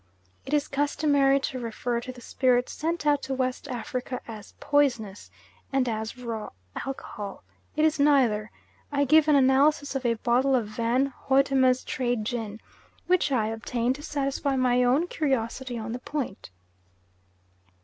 It is customary to refer to the spirit sent out to West Africa as "poisonous" and as raw alcohol. It is neither. I give an analysis of a bottle of Van Hoytima's trade gin, which I obtained to satisfy my own curiosity on the point.